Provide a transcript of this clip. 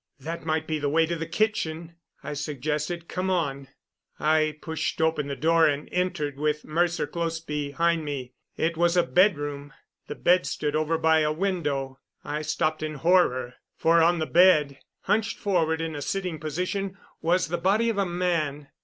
"That might be the way to the kitchen," I suggested. "Come on." I pushed open the door and entered, with Mercer close behind me. It was a bedroom. The bed stood over by a window. I stopped in horror, for on the bed, hunched forward in a sitting position, was the body of a man!